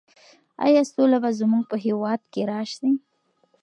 ایا سوله به زموږ په هېواد کې راسي؟